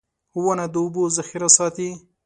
• ونه د اوبو ذخېره ساتي.